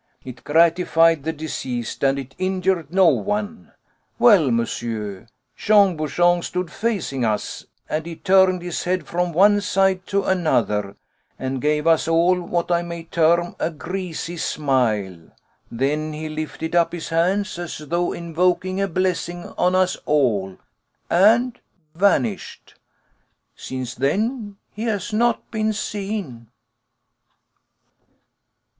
It gratified the deceased, and it injured no one. Well, monsieur, Jean Bouchon stood facing us, and he turned his head from one side to another, and gave us all what I may term a greasy smile. Then he lifted up his hands as though invoking a blessing on us all, and vanished. Since then he has not been seen."